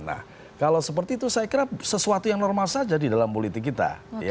nah kalau seperti itu saya kira sesuatu yang normal saja di dalam politik kita